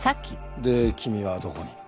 で君はどこに？